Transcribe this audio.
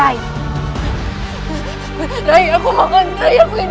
rai aku mohon rai aku ingin bertemu dengan putraku walang sungsang